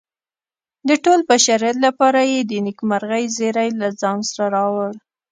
د ټول بشریت لپاره یې د نیکمرغۍ زیری له ځان سره راوړ.